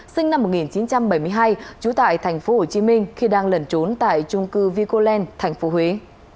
sinh năm một nghìn chín trăm bảy mươi hai trú tại tp hcm khi đang lẩn trốn tại trung cư vicoland tp huế